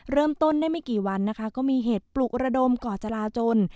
เริ่มต้นได้ไม่กี่วันนะคะก็มีเหตุปลุกระดมก่อจราจน